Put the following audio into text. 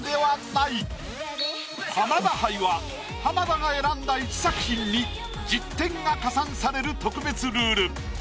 浜田杯は浜田が選んだ１作品に１０点が加算される特別ルール。